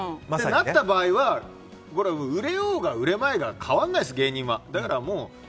なった場合は、これは売れようが売れまいが変わらないです、芸人は。